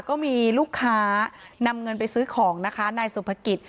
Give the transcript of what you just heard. ก็มีลูกค้านำเงินไปซื้อของนะคะนายสุภกิจ